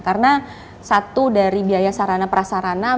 karena satu dari biaya sarana prasarana